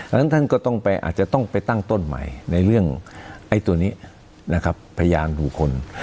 ฉะนั้นท่านก็ต้องไปอาจจะต้องไปตั้งต้นใหม่ในเรื่องไอ้ตัวนี้นะครับพยานบุคคล